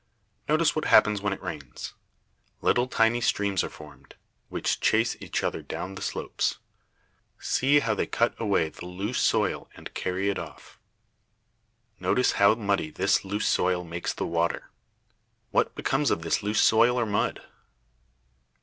Notice what happens when it rains. Little tiny streams are formed, which chase each other down the slopes. See how they cut away the loose soil and carry it off. Notice how muddy this loose soil makes the water. What becomes of this loose soil, or mud?